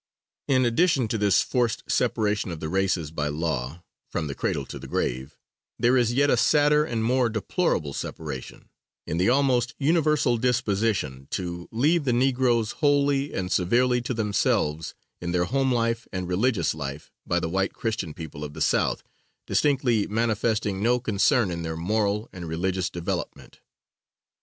In addition to this forced separation of the races by law, "from the cradle to the grave," there is yet a sadder and more deplorable separation, in the almost universal disposition to leave the negroes wholly and severely to themselves in their home life and religious life, by the white Christian people of the South, distinctly manifesting no concern in their moral and religious development.